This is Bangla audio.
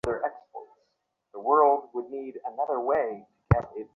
ভয়ে অস্থির হইয়া সে অপর একজনকে সাপটিকে মারিবার জন্য ডাকিতে লাগিল।